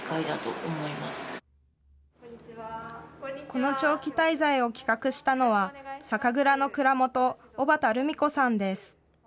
この長期滞在を企画したのは酒蔵の蔵元、尾畑留美子さんです。